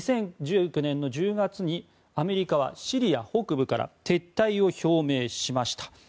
２０１９年の１０月にアメリカはシリア北部から撤退を表明しました。